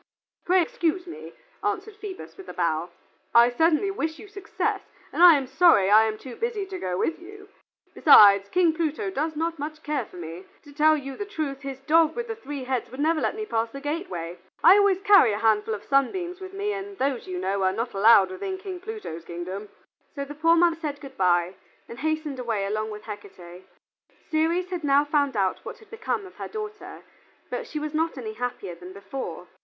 "Pray excuse me," answered Phoebus, with a bow. "I certainly wish you success, and I am sorry I am too busy to go with you. Besides, King Pluto does not care much for me. To tell you the truth, his dog with the three heads would never let me pass the gateway. I always carry a handful of sunbeams with me, and those, you know, are not allowed within King Pluto's kingdom." So the poor mother said good by and hastened away along with Hecate. Ceres had now found out what had become of her daughter, but she was not any happier than before.